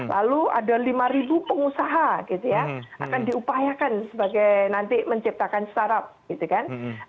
lalu ada lima pengusaha gitu ya akan diupayakan sebagai nanti menciptakan startup gitu kan